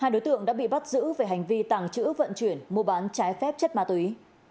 hai đối tượng đã bị bắt giữ về hành vi tàng trữ vận chuyển mua bán trái phép chất ma túy